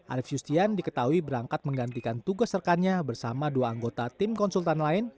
arief yustian diketahui berangkat menggantikan tugas rekannya bersama dua anggota tim konsultan lain